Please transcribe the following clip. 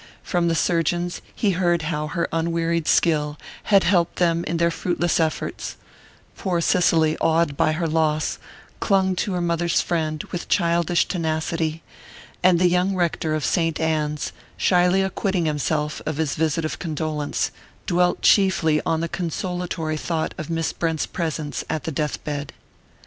From the surgeons he heard how her unwearied skill had helped them in their fruitless efforts; poor Cicely, awed by her loss, clung to her mother's friend with childish tenacity; and the young rector of Saint Anne's, shyly acquitting himself of his visit of condolence, dwelt chiefly on the consolatory thought of Miss Brent's presence at the death bed.